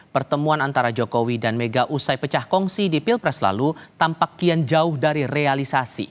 pertemuan antara jokowi dan mega usai pecah kongsi di pilpres lalu tampak kian jauh dari realisasi